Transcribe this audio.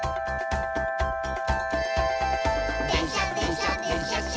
「でんしゃでんしゃでんしゃっしゃ」